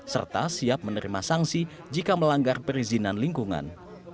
serta siap menerima sanksi jika melanggar perizinan lingkungan